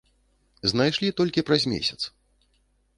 Знайшлі толькі праз месяц.